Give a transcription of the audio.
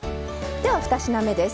では、２品目です。